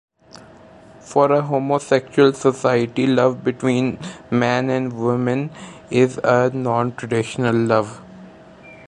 For a homosexual society love between man and women is a non-traditional love.